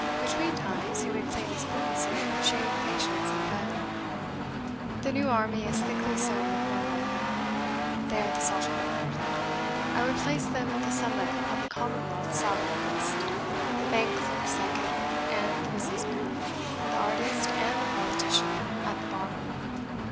Between times he would clean his boots and shave patients in bed. The new army is thickly sown with men like that. They are the salt of the earth. I would place them at the summit of the commonwealth's salary list, the bank clerk second, and the business man, the artist and the politician at the bottom.